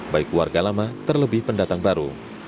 baik warga lama terlebih pendatang baru